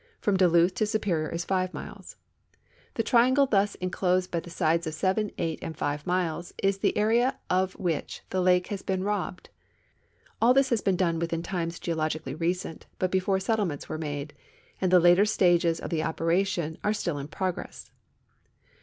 From Duluth to Superior is five miles. The triangle thus inclosed by sides of seven, eight, and five miles is the area of which the lake has been robbed. All this has been done within times geologically recent, but before settlements were made, and the later stages of the operation are still in progress.